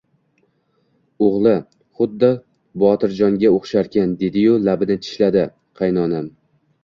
O`g`li xudda Botirjonga o`xsharkan, dedi-yu labini tishladi qaynonam